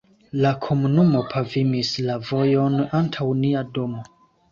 la komunumo pavimis la vojon antaŭ nia domo.